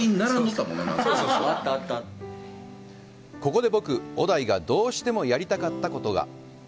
ここで、僕、小田井が、どうしてもやりたかったことが。